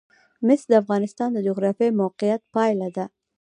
مس د افغانستان د جغرافیایي موقیعت پایله ده.